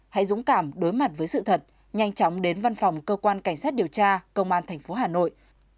hãy dũng cảm đối mặt với sự thật nhanh chóng đến văn phòng cơ quan cảnh sát điều tra công an tp hà nội